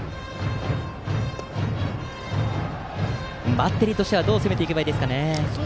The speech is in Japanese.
バッテリーとしてはどう攻めていけばいいですかね。